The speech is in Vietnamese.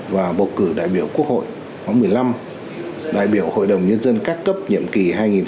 và bầu cử đại biểu quốc hội năm hai nghìn một mươi năm đại biểu hội đồng nhân dân các cấp nhiệm kỳ hai nghìn hai mươi một hai nghìn hai mươi sáu